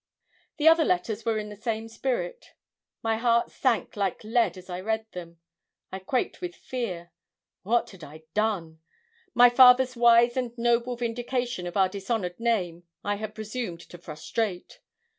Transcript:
The other letters were in the same spirit. My heart sank like lead as I read them. I quaked with fear. What had I done? My father's wise and noble vindication of our dishonoured name I had presumed to frustrate.